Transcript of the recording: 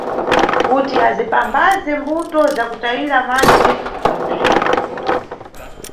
Kuti azipamphaze mbuto za kutayira madzi ya kusvipa.